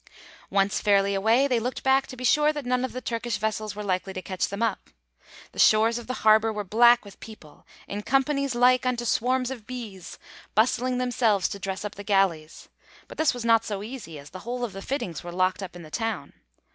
Once fairly away, they looked back to be sure that none of the Turkish vessels were likely to catch them up. The shores of the harbour were black with people, 'in companies like unto swarms of bees, bustling themselves to dress up the galleys.' But this was not so easy, as the whole of the fittings were locked up in the town.